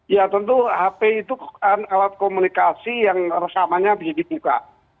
ya tentu hp itu alat komunikasi yang rekamannya bisa dibuka